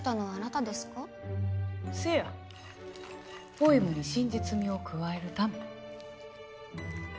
ポエムに真実味を加えるため。